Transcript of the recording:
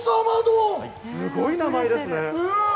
すごい名前ですね。